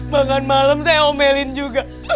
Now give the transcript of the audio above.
makan malam saya omelin juga